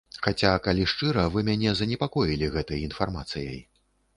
Хаця, калі шчыра, вы мяне занепакоілі гэтай інфармацыяй.